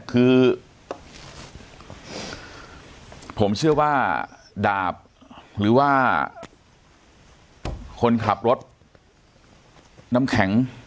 คือผมเชื่อว่าดาบหรือว่าคนขับรถน้ำแข็ง